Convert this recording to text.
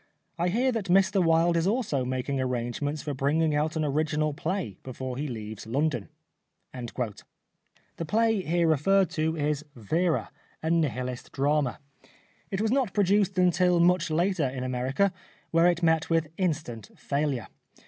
I hear that Mr Wilde is also making arrangements for bringing out an original play before he leaves London." The play here referred to is " Vera," a Nihilist drama. It was not produced until much later in America, where it met with instant failure.